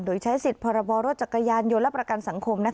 โดยใช้สิทธิ์พรบรรถจักรยานยนต์และประกันสังคม